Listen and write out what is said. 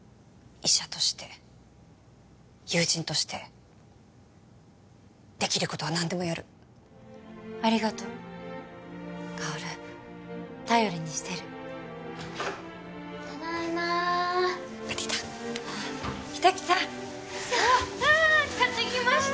医者として友人としてできることはなんでもやるありがとう薫頼りにしてるただいまー帰ってきた来た来たよいしょ買ってきました